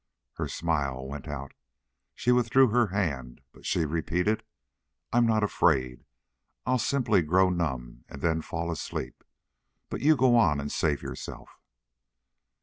Her smile went out. She withdrew her hand, but she repeated: "I'm not afraid. I'll simply grow numb and then fall asleep. But you go on and save yourself."